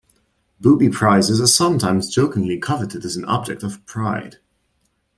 Booby prizes are sometimes jokingly coveted as an object of pride.